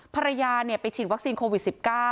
ภรรยาไปฉีดวัคซีนโควิด๑๙